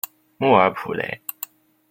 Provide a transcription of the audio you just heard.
莫尔普雷。